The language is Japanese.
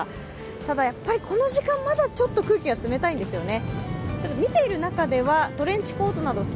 ただ、やっぱりこの時間まだ空気が冷たいんですよね。